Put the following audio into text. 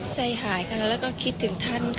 ใจหายค่ะแล้วก็คิดถึงท่านค่ะ